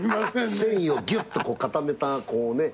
繊維をギュッと固めたこうね。